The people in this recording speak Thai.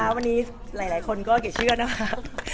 วันนี้หลายคนก็เห็นชื่อนะครับ